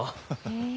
へえ。